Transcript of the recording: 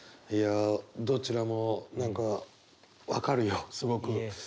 いやどちらも何か分かるよすごく。